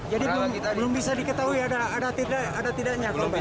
jadi belum bisa diketahui ada tidaknya korban